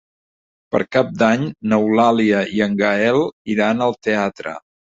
Per Cap d'Any n'Eulàlia i en Gaël iran al teatre.